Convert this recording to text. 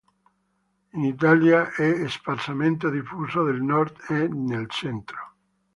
In Italia è sparsamente diffuso nel Nord e nel Centro.